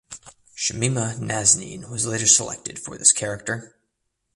Shamima Nazneen was later selected for this character.